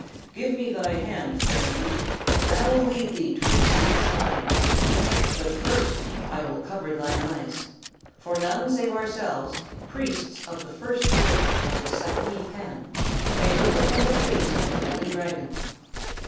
"Give me thy hand, fair youth, and I will lead thee to the Jewelled Shrine. But first I will cover thine eyes, for none save ourselves, priests of the First Order of the Saki Pan, may look upon the face of the Holy Dragon."